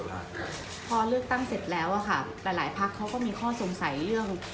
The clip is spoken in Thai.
พอเลือกตั้งเสร็จแล้วอะค่ะหลายพักเขาก็มีข้อสงสัยเรื่อง